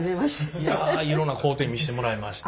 いやいろんな工程見せてもらいまして。